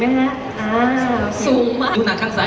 มีปิดฟงปิดไฟแล้วถือเค้กขึ้นมา